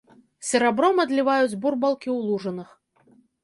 Серабром адліваюць бурбалкі ў лужынах.